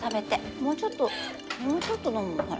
もうちょっともうちょっとのむのほら。